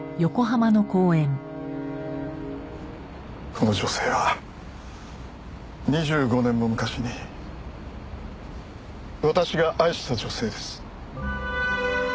この女性は２５年も昔に私が愛した女性です。